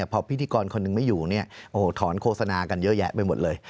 พอพิธีกรคนหนึ่งไม่อยู่ถอนโฆษณากันเยอะแยะไปหมดเลย